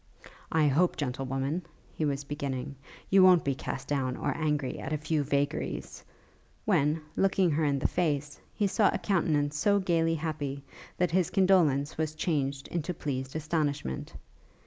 'I hope, gentlewoman,' he was beginning, 'you won't be cast down, or angry, at a few vagaries ' when, looking in her face, he saw a countenance so gaily happy, that his condolence was changed into pleased astonishment.